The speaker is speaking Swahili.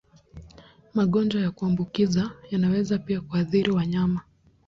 Magonjwa ya kuambukiza yanaweza pia kuathiri wanyama.